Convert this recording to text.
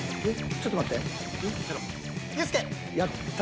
ちょっと待って。